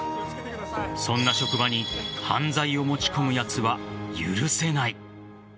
そんな職場に犯罪を持ち込むやつは許せない。